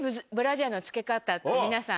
皆さん。